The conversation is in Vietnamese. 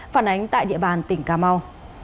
phản ánh tại địa bàn tỉnh cà mau